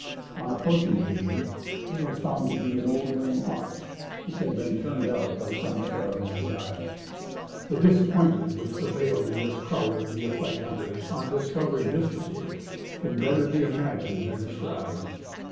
On approaching the game, it was found to be an old lame ox, which had been turned out by some caravan to die. The disappointment which prevailed in this crowd of neophyte hunters, on discovering this mistake, can be better imagined than described.